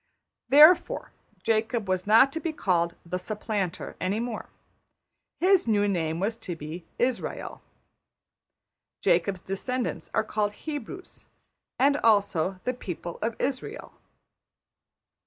Therefore Jacob was not to be called ``the Supplanter'' any more: his new name was to be Israël. Jacob's descendants are called Hebrews, and also ``the people of Israël.''